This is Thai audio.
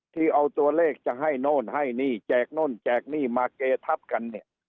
ที่เอาตัวเลขจะให้โน่นให้นี่แจกโน่นแจกหนี้มาเกทับกันเนี่ย